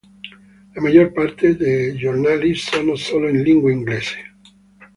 La maggior parte dei giornali sono solo in lingua inglese.